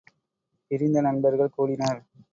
பிரிந்த நண்பர்கள் கூடினர்.